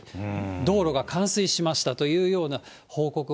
道路が冠水しましたというような報告も。